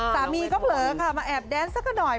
สามีก็เผลอค่ะมาแอบแดนสักหน่อย